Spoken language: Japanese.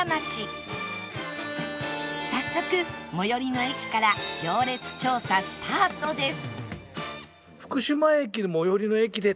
早速最寄りの駅から行列調査スタートです